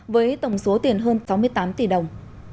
với tổng số tiền hơn sáu mươi tám tỷ đồng